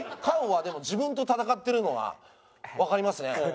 菅はでも自分と戦ってるのはわかりますね。